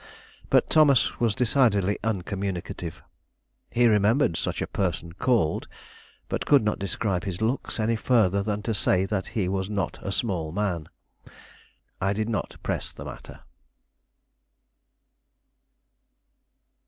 But Thomas was decidedly uncommunicative. He remembered such a person called, but could not describe his looks any further than to say that he was not a small man. I did not press the matter.